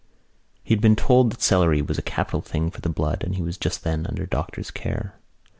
He had been told that celery was a capital thing for the blood and he was just then under doctor's care.